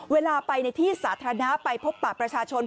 เวลาไปในที่สาธารณะไปพบปะประชาชน